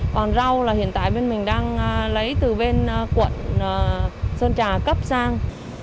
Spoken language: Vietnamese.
còn rau là hiện tại bên mình đang lấy từ bên quận sơn trà cấp sang